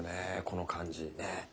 この感じ。ね。